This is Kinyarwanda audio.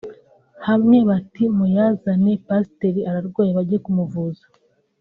hamwe bati “muyazane pasiteri ararwaye bajye kumuvuza